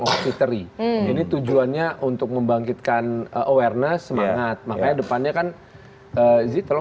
of victory ini tujuannya untuk membangkitkan awareness semangat makanya depannya kan